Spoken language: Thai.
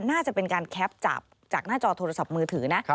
น่าจะเป็นการแคปจากหน้าจอโทรศัพท์มือถือนะ